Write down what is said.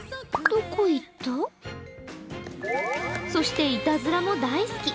そして、いたずらも大好き。